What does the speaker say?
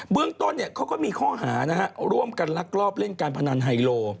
เบื้องต้นเนี่ยเขาก็มีข้อหานะฮะร่วมกันรักรอบเล่นการพนันไฮโล